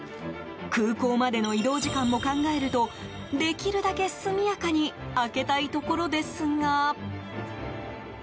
空港までの移動時間も考えるとできるだけ速やかに開けたいところですが。